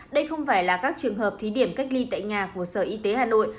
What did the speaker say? đây không phải là các trường hợp thí điểm cách ly tại nhà của sở y tế hà nội